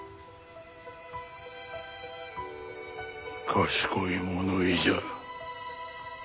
賢い物言いじゃ。